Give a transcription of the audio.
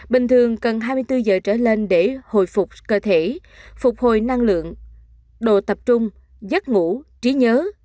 bình thường cần hai mươi bốn giờ trở lên để hồi phục cơ thể phục hồi năng lượng đồ tập trung giấc ngủ trí nhớ